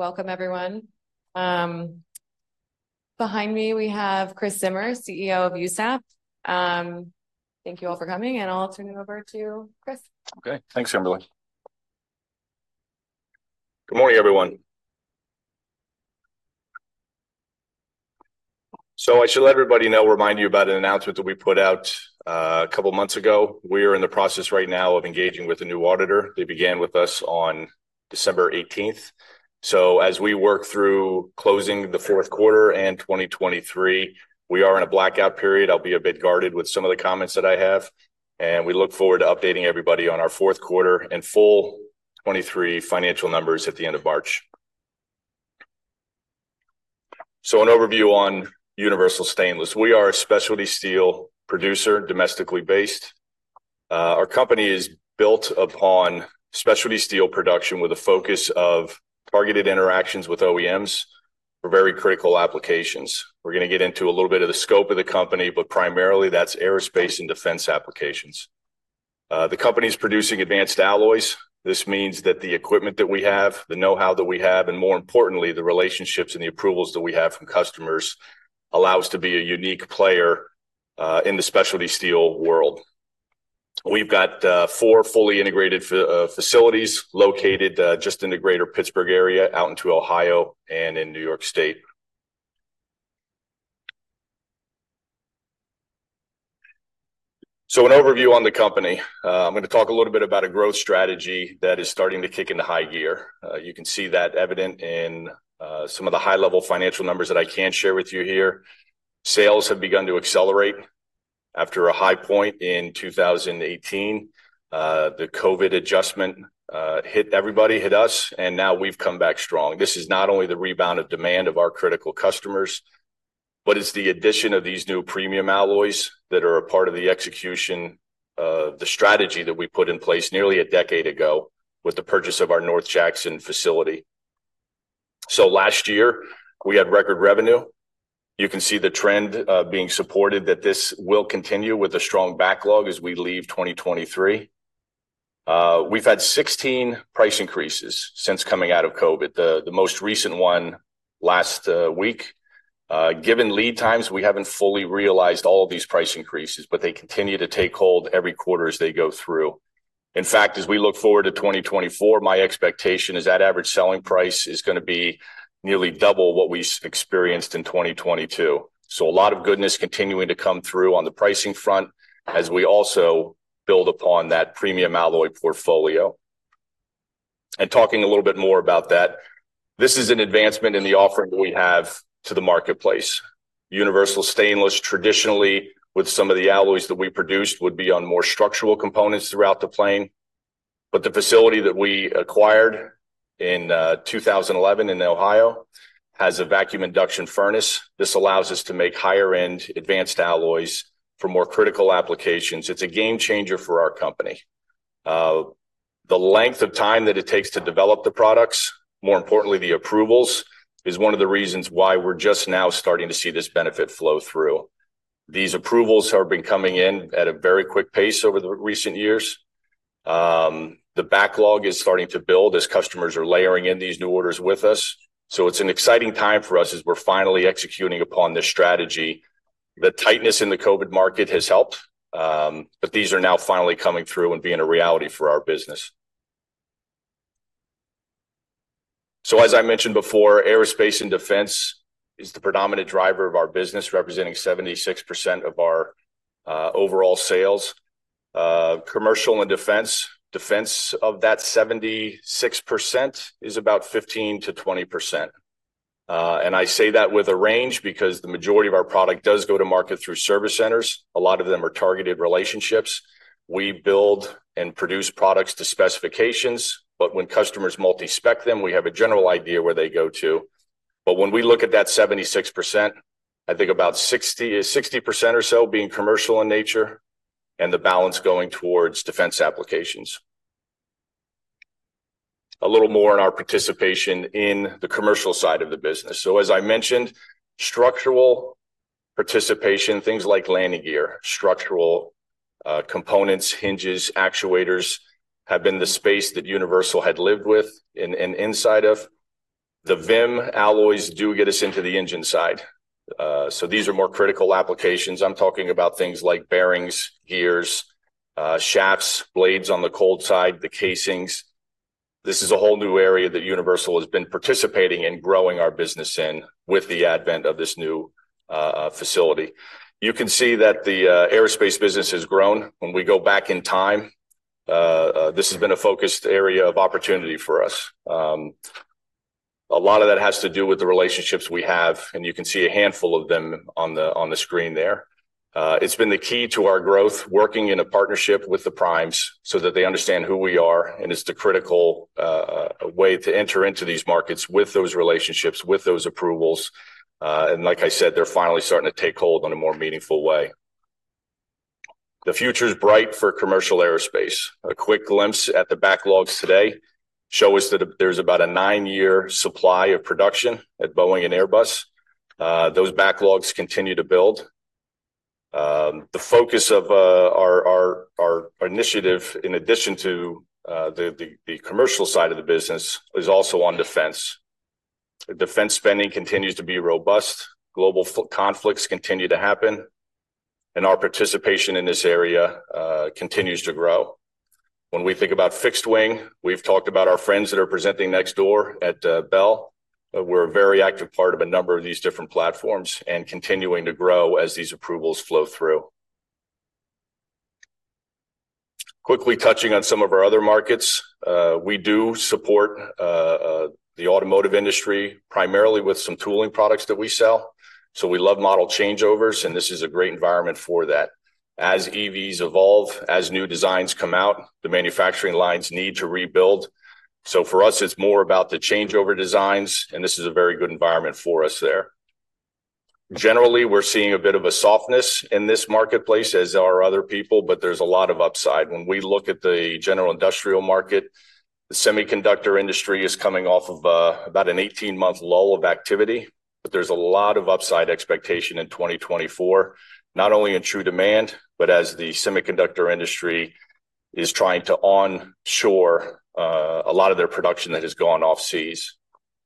So, welcome, everyone. Behind me, we have Chris Zimmer, CEO of USAP. Thank you all for coming, and I'll turn it over to Chris. Okay. Thanks, Kimberly. Good morning, everyone. So I should let everybody know, remind you about an announcement that we put out, a couple months ago. We are in the process right now of engaging with a new auditor. They began with us on December 18th. So as we work through closing the fourth quarter and 2023, we are in a blackout period. I'll be a bit guarded with some of the comments that I have, and we look forward to updating everybody on our fourth quarter and full 2023 financial numbers at the end of March. So an overview on Universal Stainless: we are a specialty steel producer, domestically based. Our company is built upon specialty steel production with a focus of targeted interactions with OEMs for very critical applications. We're going to get into a little bit of the scope of the company, but primarily that's aerospace and defense applications. The company's producing advanced alloys. This means that the equipment that we have, the know-how that we have, and more importantly, the relationships and the approvals that we have from customers allow us to be a unique player, in the specialty steel world. We've got four fully integrated facilities located just in the greater Pittsburgh area, out into Ohio and in New York State. So an overview on the company: I'm going to talk a little bit about a growth strategy that is starting to kick into high gear. You can see that evident in some of the high-level financial numbers that I can share with you here. Sales have begun to accelerate after a high point in 2018. The COVID adjustment hit everybody, hit us, and now we've come back strong. This is not only the rebound of demand of our critical customers, but it's the addition of these new premium alloys that are a part of the execution of the strategy that we put in place nearly a decade ago with the purchase of our North Jackson facility. So last year we had record revenue. You can see the trend, being supported that this will continue with a strong backlog as we leave 2023. We've had 16 price increases since coming out of COVID, the most recent one last week. Given lead times, we haven't fully realized all of these price increases, but they continue to take hold every quarter as they go through. In fact, as we look forward to 2024, my expectation is that average selling price is going to be nearly double what we experienced in 2022. So a lot of goodness continuing to come through on the pricing front as we also build upon that premium alloy portfolio. And talking a little bit more about that, this is an advancement in the offering that we have to the marketplace. Universal Stainless, traditionally, with some of the alloys that we produced, would be on more structural components throughout the plane. But the facility that we acquired in 2011 in Ohio has a vacuum induction furnace. This allows us to make higher-end advanced alloys for more critical applications. It's a game changer for our company. The length of time that it takes to develop the products, more importantly, the approvals, is one of the reasons why we're just now starting to see this benefit flow through. These approvals have been coming in at a very quick pace over the recent years. The backlog is starting to build as customers are layering in these new orders with us. So it's an exciting time for us as we're finally executing upon this strategy. The tightness in the COVID market has helped, but these are now finally coming through and being a reality for our business. So as I mentioned before, aerospace and defense is the predominant driver of our business, representing 76% of our overall sales. Commercial and defense, defense of that 76% is about 15%-20%. And I say that with a range because the majority of our product does go to market through service centers. A lot of them are targeted relationships. We build and produce products to specifications, but when customers multi-spec them, we have a general idea where they go to. But when we look at that 76%, I think about 60% or so being commercial in nature and the balance going towards defense applications. A little more on our participation in the commercial side of the business. So as I mentioned, structural participation, things like landing gear, structural components, hinges, actuators have been the space that Universal had lived with and and inside of. The VIM alloys do get us into the engine side. So these are more critical applications. I'm talking about things like bearings, gears, shafts, blades on the cold side, the casings. This is a whole new area that Universal has been participating in, growing our business in with the advent of this new facility. You can see that the aerospace business has grown. When we go back in time, this has been a focused area of opportunity for us. A lot of that has to do with the relationships we have, and you can see a handful of them on the screen there. It's been the key to our growth, working in a partnership with the primes so that they understand who we are and is the critical way to enter into these markets with those relationships, with those approvals. And like I said, they're finally starting to take hold in a more meaningful way. The future's bright for commercial aerospace. A quick glimpse at the backlogs today shows us that there's about a 9-year supply of production at Boeing and Airbus. Those backlogs continue to build. The focus of our initiative, in addition to the commercial side of the business, is also on defense. Defense spending continues to be robust. Global conflicts continue to happen, and our participation in this area continues to grow. When we think about fixed wing, we've talked about our friends that are presenting next door at Bell. We're a very active part of a number of these different platforms and continuing to grow as these approvals flow through. Quickly touching on some of our other markets, we do support the automotive industry primarily with some tooling products that we sell. So we love model changeovers, and this is a great environment for that. As EVs evolve, as new designs come out, the manufacturing lines need to rebuild. So for us, it's more about the changeover designs, and this is a very good environment for us there. Generally, we're seeing a bit of a softness in this marketplace as are other people, but there's a lot of upside. When we look at the general industrial market, the semiconductor industry is coming off of about an 18-month low of activity, but there's a lot of upside expectation in 2024, not only in true demand, but as the semiconductor industry is trying to onshore a lot of their production that has gone overseas.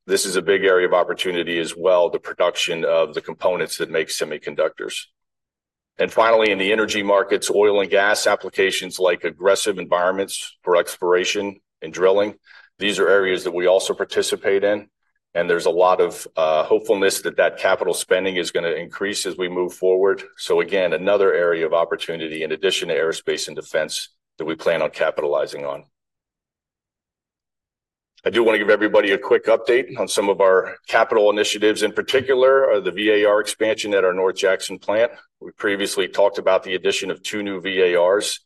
This is a big area of opportunity as well, the production of the components that make semiconductors. And finally, in the energy markets, oil and gas applications like aggressive environments for exploration and drilling, these are areas that we also participate in, and there's a lot of hopefulness that that capital spending is going to increase as we move forward. So again, another area of opportunity, in addition to aerospace and defense, that we plan on capitalizing on. I do want to give everybody a quick update on some of our capital initiatives. In particular, the VAR expansion at our North Jackson plant. We previously talked about the addition of 2 new VARs.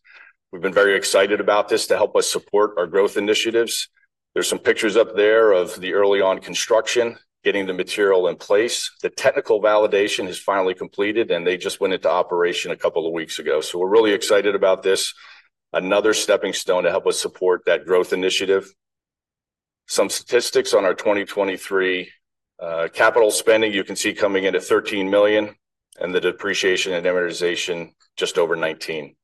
We've been very excited about this to help us support our growth initiatives. There's some pictures up there of the early-on construction, getting the material in place. The technical validation has finally completed, and they just went into operation a couple of weeks ago. So we're really excited about this, another stepping stone to help us support that growth initiative. Some statistics on our 2023 capital spending you can see coming into $13 million, and the depreciation and amortization just over $19 million.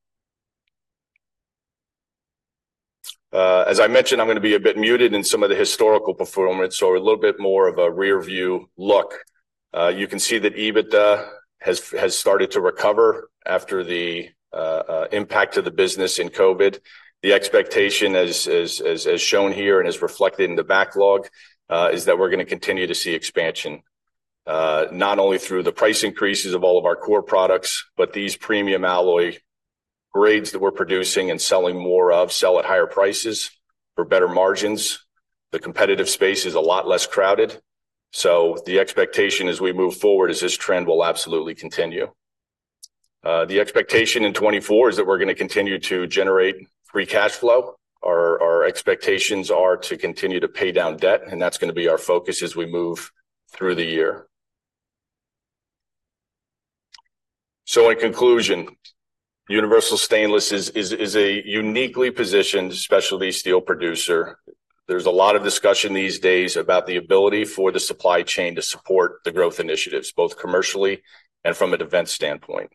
As I mentioned, I'm going to be a bit muted in some of the historical performance, so a little bit more of a rearview look. You can see that EBITDA has has started to recover after the impact of the business in COVID. The expectation, as shown here and as reflected in the backlog, is that we're going to continue to see expansion, not only through the price increases of all of our core products, but these premium alloy grades that we're producing and selling more of sell at higher prices for better margins. The competitive space is a lot less crowded. So the expectation as we move forward is this trend will absolutely continue. The expectation in 2024 is that we're going to continue to generate free cash flow. Our expectations are to continue to pay down debt, and that's going to be our focus as we move through the year. So in conclusion, Universal Stainless is a uniquely positioned specialty steel producer. There's a lot of discussion these days about the ability for the supply chain to support the growth initiatives, both commercially and from a defense standpoint.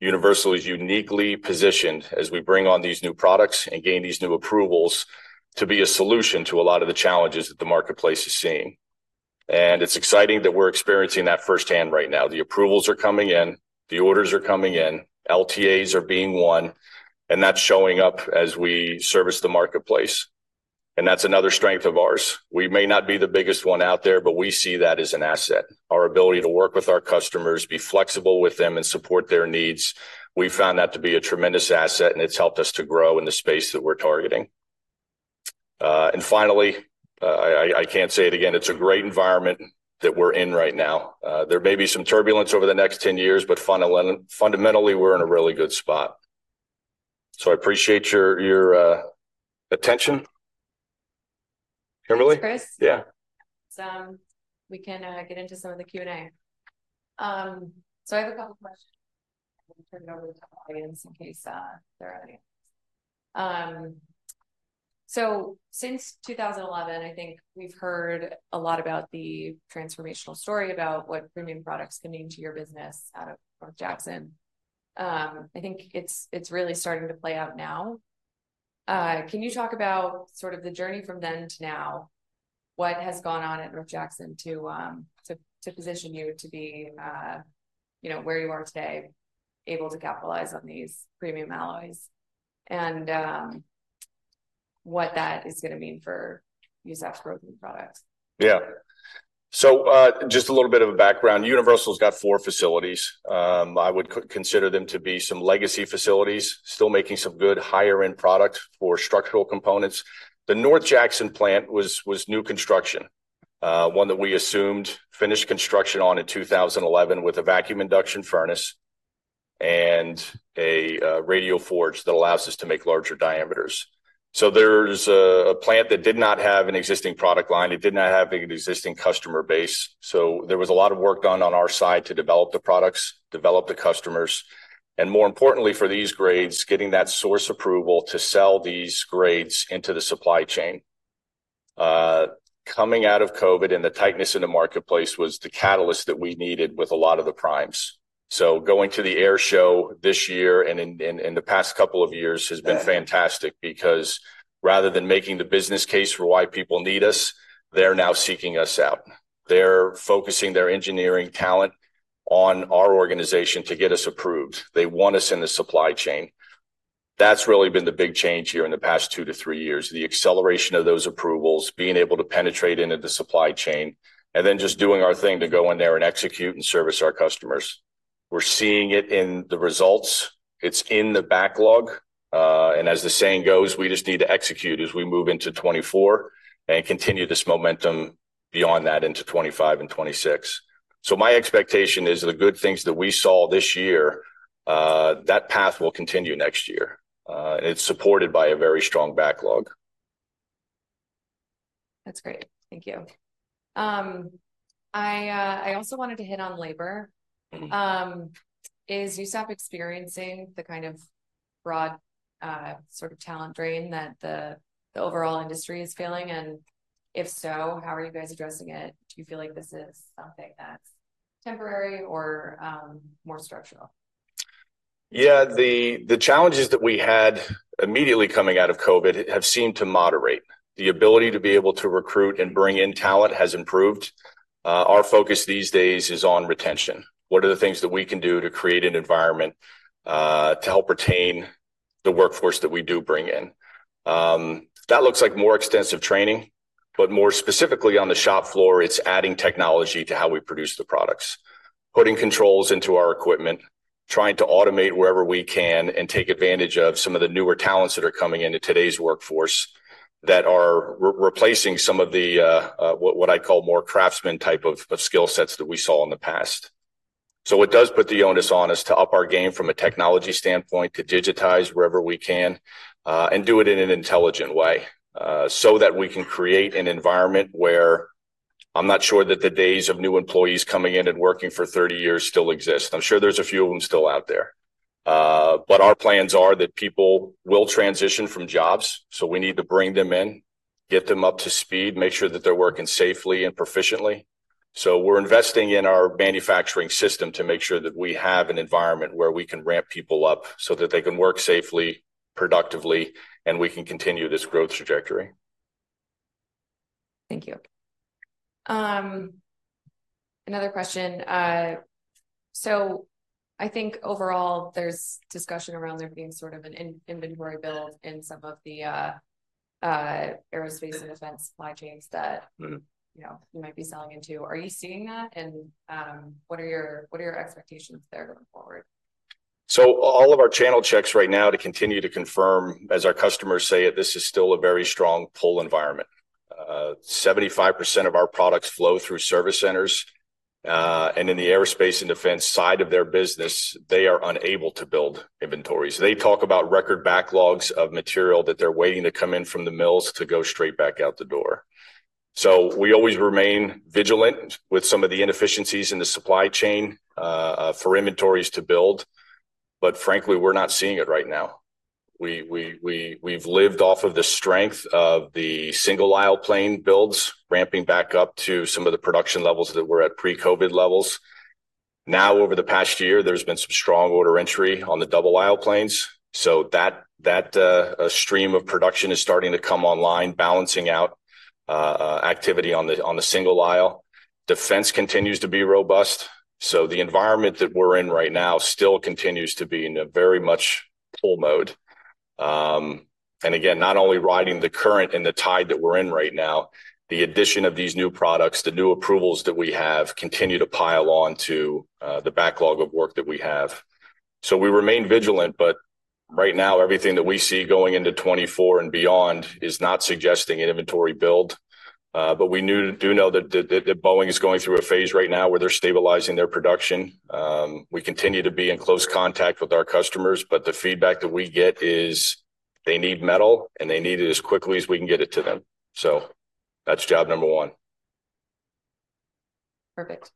Universal is uniquely positioned as we bring on these new products and gain these new approvals to be a solution to a lot of the challenges that the marketplace is seeing. It's exciting that we're experiencing that firsthand right now. The approvals are coming in. The orders are coming in. LTAs are being won. That's showing up as we service the marketplace. That's another strength of ours. We may not be the biggest one out there, but we see that as an asset. Our ability to work with our customers, be flexible with them, and support their needs, we found that to be a tremendous asset, and it's helped us to grow in the space that we're targeting. And finally, I can't say it again. It's a great environment that we're in right now. There may be some turbulence over the next 10 years, but fundamentally, we're in a really good spot. So I appreciate your attention. Kimberly? Chris? Yeah. So we can get into some of the Q&A. So I have a couple of questions. I'm going to turn it over to the audience in case there are any. So since 2011, I think we've heard a lot about the transformational story about what premium products can mean to your business out of North Jackson. I think it's really starting to play out now. Can you talk about sort of the journey from then to now, what has gone on at North Jackson to position you to be, you know, where you are today, able to capitalize on these premium alloys, and what that is going to mean for USAP's growth in products? Yeah. So, just a little bit of a background. Universal's got four facilities. I would consider them to be some legacy facilities, still making some good higher-end product for structural components. The North Jackson plant was new construction, one that we assumed finished construction on in 2011 with a vacuum induction furnace and a radial forge that allows us to make larger diameters. So there's a plant that did not have an existing product line. It did not have an existing customer base. So there was a lot of work done on our side to develop the products, develop the customers, and more importantly for these grades, getting that source approval to sell these grades into the supply chain. Coming out of COVID and the tightness in the marketplace was the catalyst that we needed with a lot of the primes. So going to the air show this year and in the past couple of years has been fantastic because rather than making the business case for why people need us, they're now seeking us out. They're focusing their engineering talent on our organization to get us approved. They want us in the supply chain. That's really been the big change here in the past two to three years, the acceleration of those approvals, being able to penetrate into the supply chain, and then just doing our thing to go in there and execute and service our customers. We're seeing it in the results. It's in the backlog. And as the saying goes, we just need to execute as we move into 2024 and continue this momentum beyond that into 2025 and 2026. So my expectation is the good things that we saw this year, that path will continue next year. And it's supported by a very strong backlog. That's great. Thank you. I also wanted to hit on labor. Is USAP experiencing the kind of broad, sort of talent drain that the overall industry is feeling? And if so, how are you guys addressing it? Do you feel like this is something that's temporary or, more structural? Yeah, the challenges that we had immediately coming out of COVID have seemed to moderate. The ability to be able to recruit and bring in talent has improved. Our focus these days is on retention. What are the things that we can do to create an environment, to help retain the workforce that we do bring in? That looks like more extensive training, but more specifically on the shop floor, it's adding technology to how we produce the products, putting controls into our equipment, trying to automate wherever we can and take advantage of some of the newer talents that are coming into today's workforce that are replacing some of the, what I'd call more craftsman type of skill sets that we saw in the past. So it does put the onus on us to up our game from a technology standpoint to digitize wherever we can, and do it in an intelligent way, so that we can create an environment where I'm not sure that the days of new employees coming in and working for 30 years still exist. I'm sure there's a few of them still out there. But our plans are that people will transition from jobs, so we need to bring them in, get them up to speed, make sure that they're working safely and proficiently. So we're investing in our manufacturing system to make sure that we have an environment where we can ramp people up so that they can work safely, productively, and we can continue this growth trajectory. Thank you. Another question. So I think overall, there's discussion around there being sort of an inventory build in some of the aerospace and defense supply chains that, you know, you might be selling into. Are you seeing that? And what are your what are your expectations there going forward? So all of our channel checks right now to continue to confirm, as our customers say it, this is still a very strong pull environment. 75% of our products flow through service centers, and in the aerospace and defense side of their business, they are unable to build inventories. They talk about record backlogs of material that they're waiting to come in from the mills to go straight back out the door. So we always remain vigilant with some of the inefficiencies in the supply chain for inventories to build. But frankly, we're not seeing it right now. We've lived off the strength of the single-aisle plane builds, ramping back up to some of the production levels that we're at pre-COVID levels. Now, over the past year, there's been some strong order entry on the double-aisle planes. So that stream of production is starting to come online, balancing out activity on the single-aisle. Defense continues to be robust. So the environment that we're in right now still continues to be in a very much pull mode. And again, not only riding the current and the tide that we're in right now, the addition of these new products, the new approvals that we have continue to pile on to the backlog of work that we have. So we remain vigilant, but right now, everything that we see going into 2024 and beyond is not suggesting an inventory build. But we do know that Boeing is going through a phase right now where they're stabilizing their production. We continue to be in close contact with our customers, but the feedback that we get is they need metal, and they need it as quickly as we can get it to them. So that's job number one. Perfect.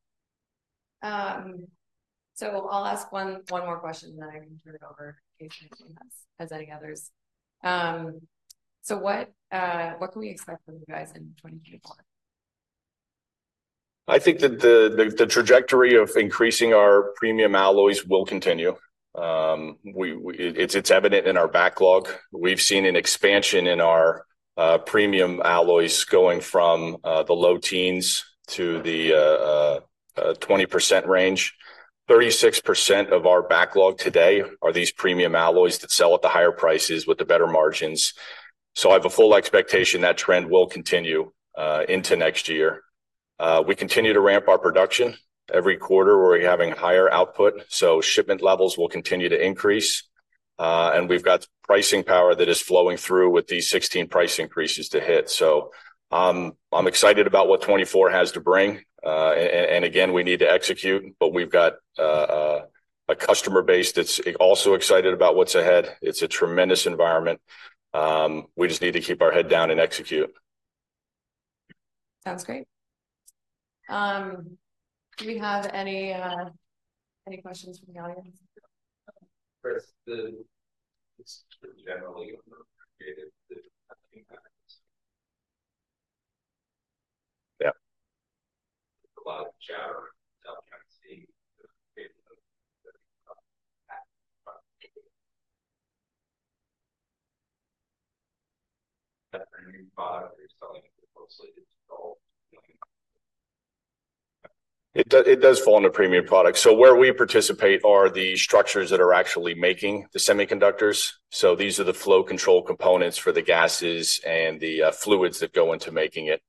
So I'll ask one more question, and then I can turn it over in case anyone has any others. So what can we expect from you guys in 2024? I think that the trajectory of increasing our premium alloys will continue. It's evident in our backlog. We've seen an expansion in our premium alloys going from the low teens to the 20% range. 36% of our backlog today are these premium alloys that sell at the higher prices with the better margins. So I have a full expectation that trend will continue into next year. We continue to ramp our production every quarter. We're having higher output. So shipment levels will continue to increase. And we've got pricing power that is flowing through with these 16 price increases to hit. So I'm I'm excited about what 2024 has to bring. And and again, we need to execute, but we've got a customer base that's also excited about what's ahead. It's a tremendous environment. We just need to keep our head down and execute. Sounds great. Do we have any any questions from the audience? Chris, the. It's generally underrated the impact. Yeah. [Garbled audience question]A lot of chatter about seeing the. That's a new product that you're selling that's closely involved. It does fall under premium products. So where we participate are the structures that are actually making the semiconductors. So these are the flow control components for the gases and the fluids that go into making it.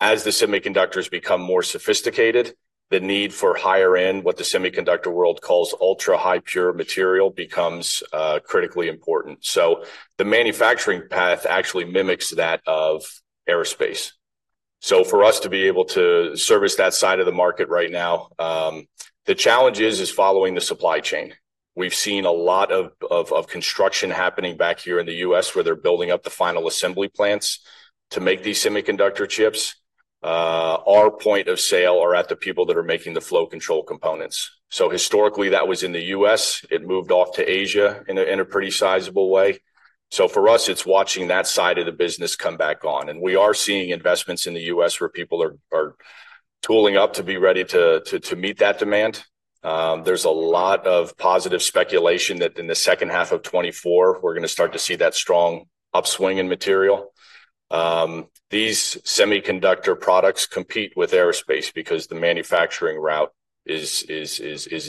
As the semiconductors become more sophisticated, the need for higher-end, what the semiconductor world calls ultra-high-pure material, becomes critically important. So the manufacturing path actually mimics that of aerospace. So for us to be able to service that side of the market right now, the challenge is following the supply chain. We've seen a lot of construction happening back here in the US where they're building up the final assembly plants to make these semiconductor chips. Our point of sale are at the people that are making the flow control components. So historically, that was in the US. It moved off to Asia in a pretty sizable way. So for us, it's watching that side of the business come back on. And we are seeing investments in the US where people are tooling up to be ready to meet that demand. There's a lot of positive speculation that in the second half of 2024, we're going to start to see that strong upswing in material. These semiconductor products compete with aerospace because the manufacturing route is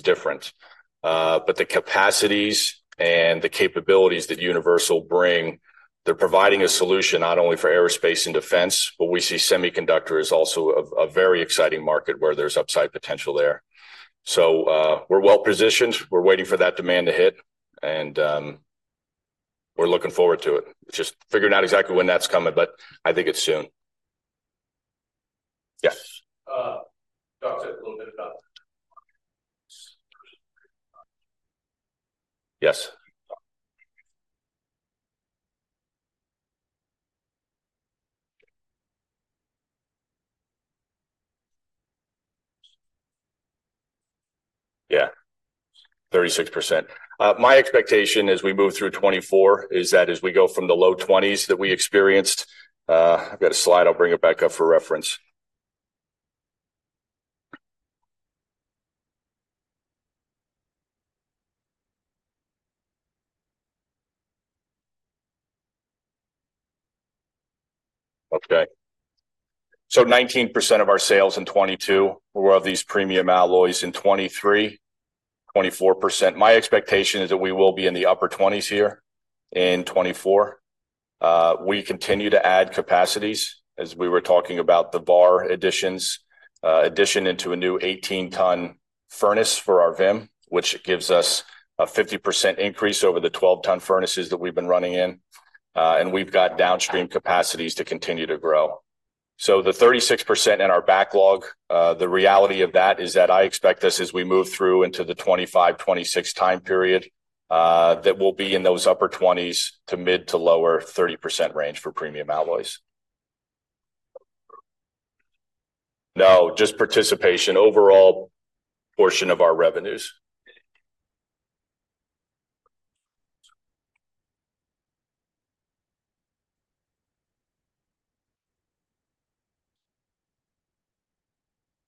different. But the capacities and the capabilities that Universal bring, they're providing a solution not only for aerospace and defense, but we see semiconductor as also a very exciting market where there's upside potential there. So, we're well positioned. We're waiting for that demand to hit. And, we're looking forward to it. Just figuring out exactly when that's coming, but I think it's soon. Yes. Yes. Yeah. 36%. My expectation as we move through 2024 is that as we go from the low 20s that we experienced. I've got a slide. I'll bring it back up for reference. Okay. So 19% of our sales in 2022 were of these premium alloys. In 2023, 24%. My expectation is that we will be in the upper 20s here in 2024. We continue to add capacities as we were talking about the VAR additions, addition into a new 18-ton furnace for our VIM, which gives us a 50% increase over the 12-ton furnaces that we've been running in, and we've got downstream capacities to continue to grow. So the 36% in our backlog, the reality of that is that I expect this as we move through into the 2025-2026 time period, that we'll be in those upper 20s to mid- to lower 30% range for premium alloys. No, just participation, overall portion of our revenues.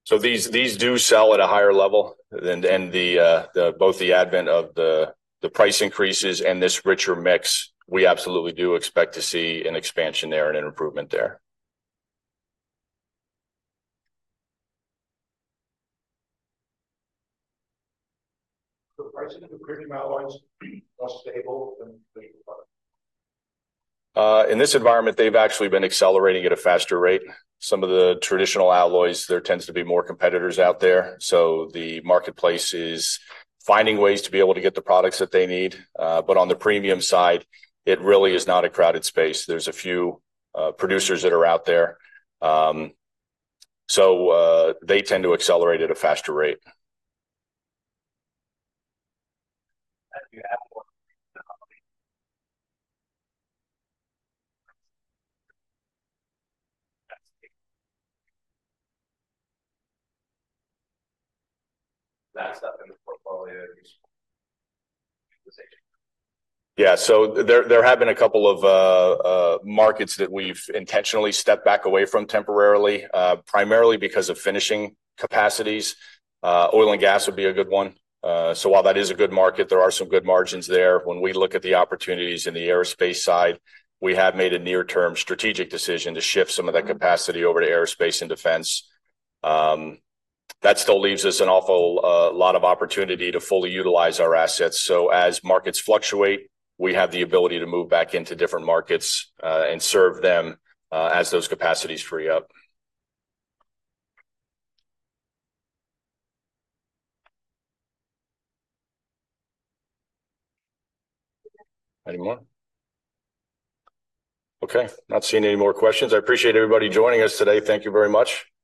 So these do sell at a higher level. And both the advent of the price increases and this richer mix, we absolutely do expect to see an expansion there and an improvement there. So pricing of the premium alloys more stable than the traditional product? In this environment, they've actually been accelerating at a faster rate. Some of the traditional alloys, there tends to be more competitors out there. So the marketplace is finding ways to be able to get the products that they need. But on the premium side, it really is not a crowded space. There’s a few producers that are out there. So they tend to accelerate at a faster rate. That stuff in the portfolio is useful. Yeah. So there have been a couple of markets that we’ve intentionally stepped back away from temporarily, primarily because of finishing capacities. Oil and gas would be a good one. So while that is a good market, there are some good margins there. When we look at the opportunities in the aerospace side, we have made a near-term strategic decision to shift some of that capacity over to aerospace and defense. That still leaves us an awful lot of opportunity to fully utilize our assets. So as markets fluctuate, we have the ability to move back into different markets and serve them as those capacities free up. Any more? Okay. Not seeing any more questions. I appreciate everybody joining us today. Thank you very much.